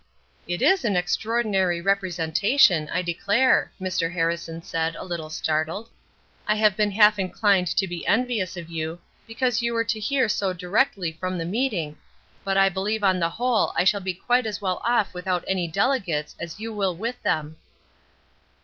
"It is an extraordinary representation, I declare," Mr. Harrison said, a little startled. "I have been half inclined to be envious of you because you were to hear so directly from the meeting, but I believe on the whole I shall be quite as well off without any delegates as you will with them."